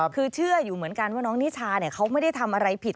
คือเชื่ออยู่เหมือนกันว่าน้องนิชาเขาไม่ได้ทำอะไรผิด